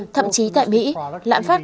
thậm chí tại mỹ lạm phát